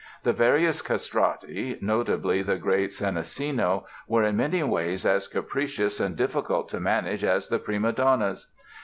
The various castrati (notably the great Senesino) were in many ways as capricious and difficult to manage as the prima donnas.